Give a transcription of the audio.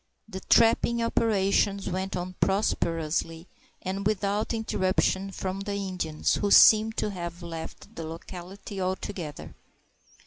The trapping operations went on prosperously and without interruption from the Indians, who seemed to have left the locality altogether.